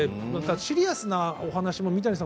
シリアスなお話、三谷さん